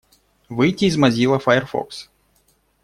Выйти из Mozilla Firefox.